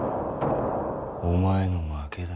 お前の負けだ。